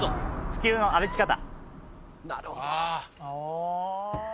「地球の歩き方」